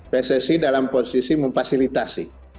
pssi dalam posisi memfasilitasi